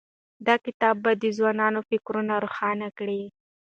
دا کتاب به د ځوانانو فکرونه روښانه کړي.